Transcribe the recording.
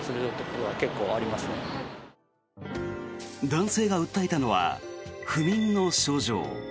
男性が訴えたのは不眠の症状。